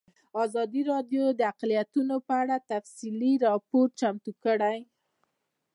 ازادي راډیو د اقلیتونه په اړه تفصیلي راپور چمتو کړی.